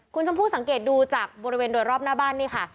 คุณชมพู่สังเกตดูจากบริเวณโดยรอบหน้าบ้านนี่ค่ะ